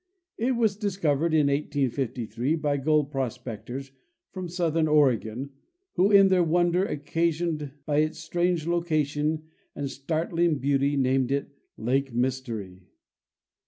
It was discovered in 1853 by gold pros pectors from southern Oregon, who in their wonder occasioned by its strange location and startling beauty named it ' Lake Mystery."